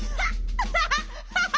アハハハハ！